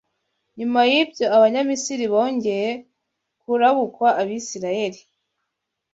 Nyuma y’ibyo Abanyamisiri bongeye kurabukwa Abisirayeli.